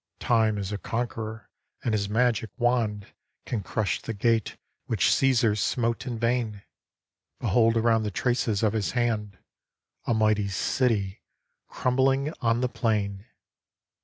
Time is a Conqueror — and his magic wand Can crush the gate which Caesar smote in vain ; Behold around the traces of his hand, A mighty city crumbling on the plain